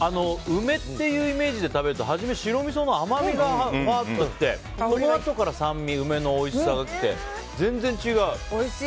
梅っていうイメージで食べるとはじめに白みその甘みが来てそのあとから酸味、梅のおいしさがきて。